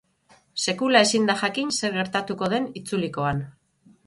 Sekula ezin da jakin zer gertatuko den itzulikoan.